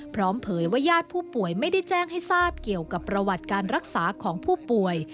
เผยว่าญาติผู้ป่วยไม่ได้แจ้งให้ทราบเกี่ยวกับประวัติการรักษาของผู้ป่วย